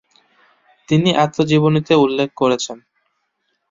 তিনি আত্মজীবনীতে উল্লেখ করেছেন।